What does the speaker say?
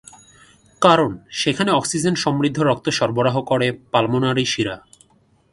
কারণ সেখানে অক্সিজেন সমৃদ্ধ রক্ত সরবরাহ করে পালমোনারি শিরা।